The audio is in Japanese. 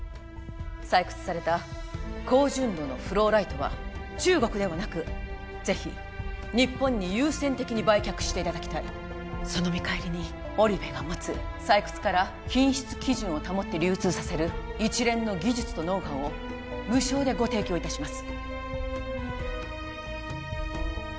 採掘された高純度のフローライトは中国ではなく是非日本に優先的に売却していただきたいその見返りにオリベが持つ採掘から品質基準を保って流通させる一連の技術とノウハウを無償でご提供いたします